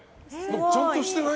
ちゃんとしてない？